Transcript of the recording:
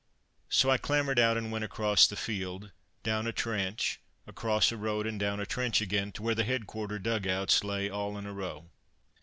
So I clambered out and went across the field, down a trench, across a road and down a trench again to where the headquarter dug outs lay all in a row.